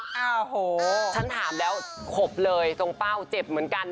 ฉันถามแล้วขบเลยตรงเป้าเจ็บเหมือนกันนะคะ